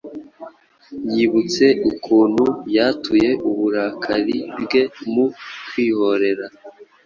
Yibutse ukuntu yatuye uburakari bwe mu kwihorera